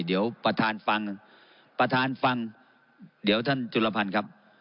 เดี๋ยวประธานฟังประธานฟังเดี๋ยวท่านจุลพันธ์ครับ